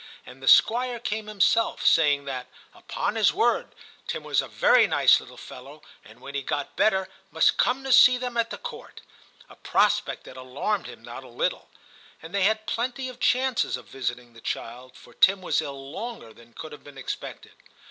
And the Squire came himself, saying that * Upon his word, Tim was a very nice little fellow, and when he got better must come to see them at the Court,' a prospect that alarmed him not a little. And they had plenty of chances of visiting the child, for Tim was ill longer than could have been expected.